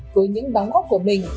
với những đóng góp của mình